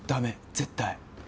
絶対。